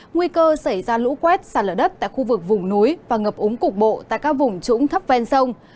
nguy cơ xảy ra lũ quét sạt lở đất tại khu vực vùng núi và ngập úng cục bộ tại các vùng trũng thấp ven sông